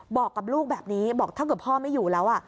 บอกกับลูกแบบนี้บอกถ้าเกิดพ่อไม่อยู่แล้ว